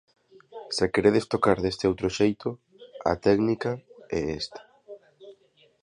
Se queredes tocar deste outro xeito, a técnica é esta.